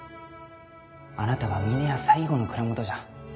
あなたは峰屋最後の蔵元じゃ。